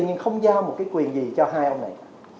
nhưng không giao một cái quyền gì cho hai ông này